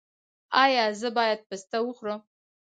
ایا زه باید پسته وخورم؟